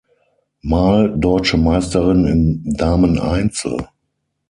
Mal Deutsche Meisterin im Dameneinzel.